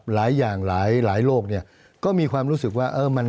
หลายอย่างหลายโลกเนี่ยก็มีความรู้สึกว่า